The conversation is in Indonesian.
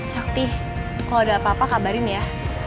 sakti kalau ada apa apa kabarin ya